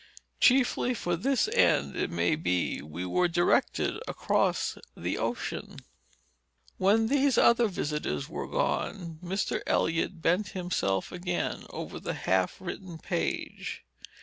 Chiefly for this end, it may be, we were directed across the ocean." When these other visitors were gone, Mr. Eliot bent himself again over the half written page.